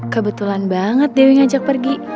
kebetulan banget dewi ngajak pergi